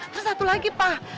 terus satu lagi pak